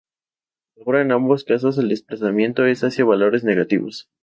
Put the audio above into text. Ahora en ambos casos el desplazamiento es hacia valores negativos.